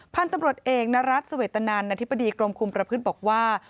พันธุ์ตำรวจเอกนรัฐเสวตนันอธิบดีกรมคุมประพฤติบอกว่า